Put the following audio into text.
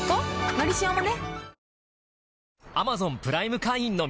「のりしお」もね